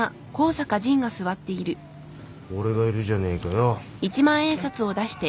俺がいるじゃねえかよ。